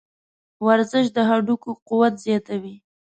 ورزش د هډوکو قوت زیاتوي.